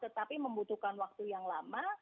tetapi membutuhkan waktu yang lama